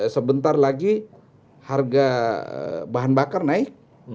sebentar lagi harga bahan bakar naik